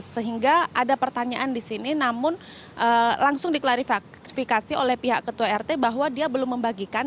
sehingga ada pertanyaan di sini namun langsung diklarifikasi oleh pihak ketua rt bahwa dia belum membagikan